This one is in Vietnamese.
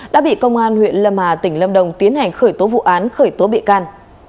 đã bị công an huyện lâm hà tỉnh lâm đồng tiến hành khởi tố vụ án khởi tố bị can